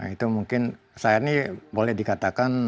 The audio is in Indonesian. itu mungkin saya ini boleh dikatakan